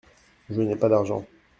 Je n’ai pas d’argent.